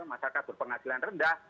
masyarakat berpenghasilan rendah